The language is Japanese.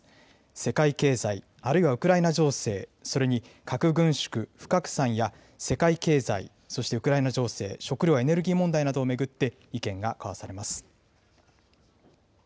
世界経済、あるいはウクライナ情勢、それに、核軍縮・不拡散や世界経済、そしてウクライナ情勢、食料・エネルギー問題などを巡って、意見が交わされます。